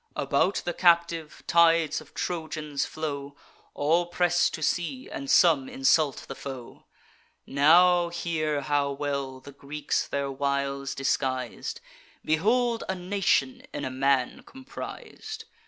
About the captive, tides of Trojans flow; All press to see, and some insult the foe. Now hear how well the Greeks their wiles disguis'd; Behold a nation in a man compris'd.